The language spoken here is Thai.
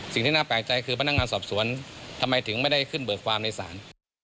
สิ่งที่น่าแปลกใจคือพนักงานสอบสวนทำไมถึงไม่ได้ขึ้นเบิกความในศาล